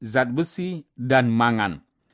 zat besi dan mangan